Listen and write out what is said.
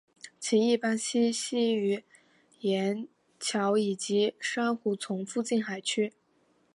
其一般栖息于岩礁以及珊瑚丛附近海区。